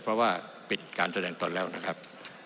เพราะว่าเป็นการแสดงตนแล้วนะครับ